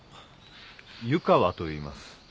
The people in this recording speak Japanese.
湯川といいます。